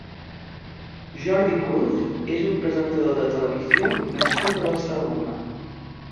Jordi Cruz és un presentador de televisió nascut a Barcelona.